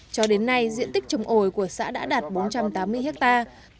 cho đến nay diện tích trồng ổi của xã đã đạt bốn trăm tám mươi hectare